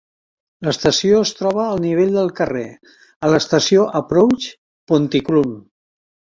L'estació es troba al nivell del carrer, a l'estació Approach, Pontyclun.